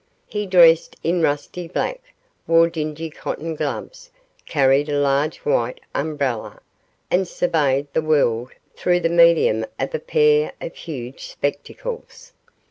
He dressed in rusty black, wore dingy cotton gloves, carried a large white umbrella, and surveyed the world through the medium of a pair of huge spectacles.